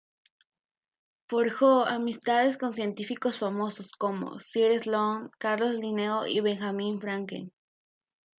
Forjó amistades con científicos famosos como Sir Sloane, Carlos Linneo, y Benjamin Franklin.